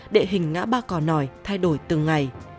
địa hình ngã ba cò nòi thay đổi từng ngày